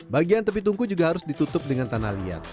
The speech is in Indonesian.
bagian tepi tungku juga harus ditutup dengan tanah liat